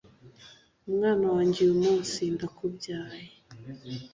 umwana wanjye uyu munsi ndakubyaye